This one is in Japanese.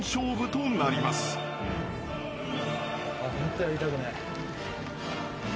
ホントやりたくない。